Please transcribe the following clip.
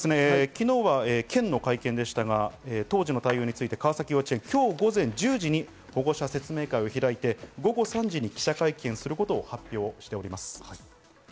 昨日は県の会見でしたが、当時の対応について川崎幼稚園、今日午前１０時に保護者説明会を開いて、午後３時に記者会見することを発表しております。